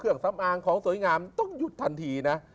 สำอางของสวยงามต้องหยุดทันทีนะ